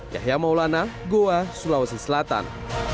yahya maulana goa sulawesi selatan